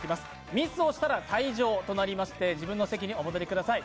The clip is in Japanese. ミスをしたら退場となりまして自分の席にお戻りください。